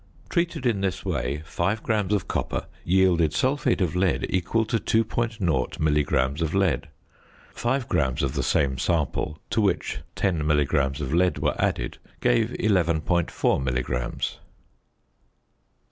Treated in this way 5 grams of copper yielded sulphate of lead equal to 2.0 milligrams of lead. Five grams of the same sample to which 10 milligrams of lead were added gave 11.4 milligrams.